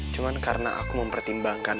cuman karena aku mempertimbangkan